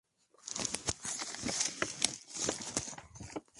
Sus miembros son loros pequeños, de cola corta que habitan en África y Asia.